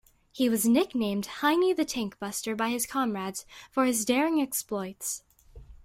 He was nicknamed "Heinie the tank-buster" by his comrades for his daring exploits.